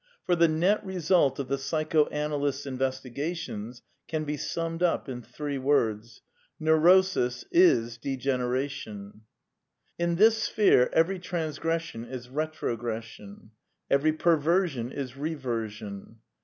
For the net result of the psycho analyst's investigations can be summed up in three words :/ Ji^^^eurosis is degeneration* ' In this sphere every transgression is retrogression. Every perversion is reversion.